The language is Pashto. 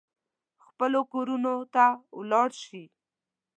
خپلو کورونو ته ولاړ شي.